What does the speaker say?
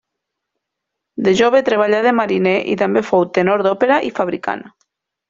De jove treballà de mariner i també fou tenor d’òpera i fabricant.